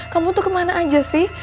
kamu tuh kemana aja sih